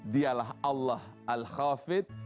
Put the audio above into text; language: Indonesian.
dialah allah al khafid